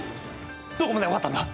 どこまで分かったんだ？